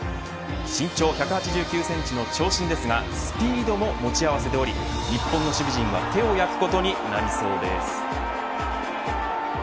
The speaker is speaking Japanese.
身長１８９センチの長身ですがスピードも持ち合わせており日本の守備陣は手を焼くことになりそうです。